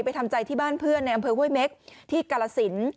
ทำใจที่บ้านเพื่อนในอำเภอห้วยเม็กที่กาลสิน